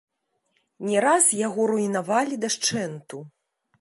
Не раз яго руйнавалі дашчэнту.